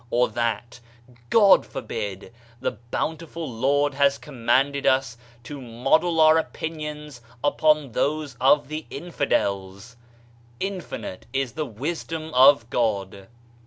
Or that (God forbidi) the Bountiful Lord has commanded us to model our opinions upon diose of the infidels I Infinite ia the wisdom of God!